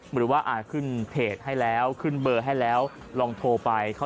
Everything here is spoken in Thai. หรือว่าขึ้นเพจให้แล้วขึ้นเบอร์ให้แล้วลองโทรไป